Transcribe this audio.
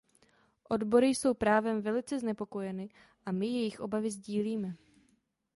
Odbory jsou právem velice znepokojeny a my jejich obavy sdílíme.